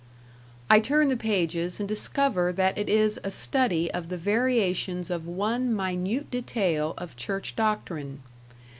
I turn the pages and discover that it is a study of the variations of one minute detail of church doctrine.